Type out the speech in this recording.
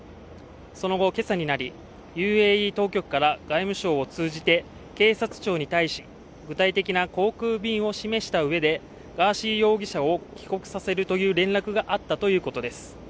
その後、今朝になり、ＵＡＥ当局から外務省を通じて警察庁に対し具体的な航空便を示したうえで、ガーシー容疑者を帰国させるという連絡があったということです。